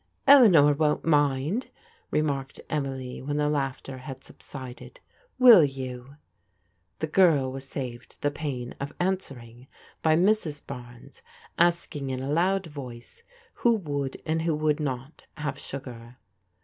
" Eleanor won't mind," remarked Emily when the laugh had subsided. " Will you? '* The girl was saved the pain of answering by Mrs. Barnes asking in a loud voice who would, and who would not, have sugar.